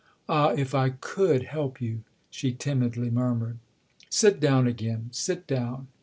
" Ah, if I could help you !" she timidly murmured. " Sit down again ; sit down